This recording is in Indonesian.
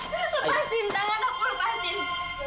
lepasin tangan aku lepasin